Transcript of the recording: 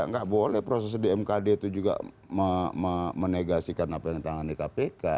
nggak boleh proses di mkd itu juga menegasikan apa yang ditangani kpk